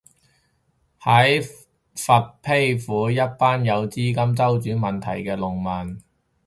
喺佛丕府，一班有資金周轉問題嘅農民